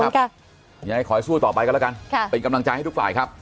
ยังไงขอให้สู้ต่อไปกันแล้วกันค่ะเป็นกำลังใจให้ทุกฝ่ายครับ